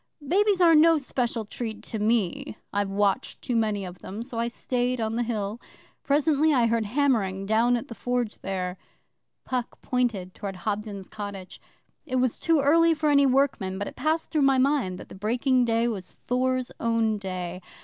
Babies are no special treat to me I've watched too many of them so I stayed on the Hill. Presently I heard hammering down at the Forge there.'Puck pointed towards Hobden's cottage. 'It was too early for any workmen, but it passed through my mind that the breaking day was Thor's own day.